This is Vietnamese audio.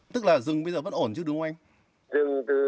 tức là rừng bây giờ bất ổn chứ đúng không anh